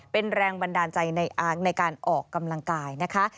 เป็นแรงบันดาลใจในการออกกำลังกายนะคะ